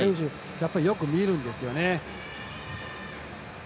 やっぱりよく見るんですよね。